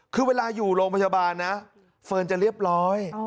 คือเวลาอยู่โรงพยาบาลนะเฟิร์นจะเรียบร้อย